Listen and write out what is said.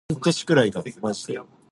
我的牛牛立了